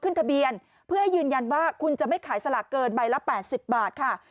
ขึ้นทะเบียนเพื่อให้ยืนยันว่าคุณจะไม่ขายสลากเกินใบละ๘๐บาทค่ะ